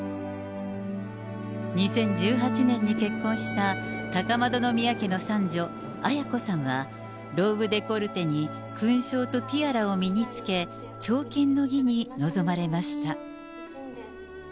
２０１８年に結婚した高円宮家の三女、絢子さんは、ローブデコルテに勲章とティアラを身につけ、朝見の儀に臨まれました。